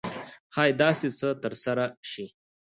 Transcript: ښایي داسې څه ترسره شي.